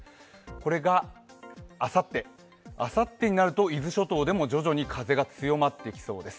これがあさってになると伊豆諸島でも徐々に風が強まってきそうです。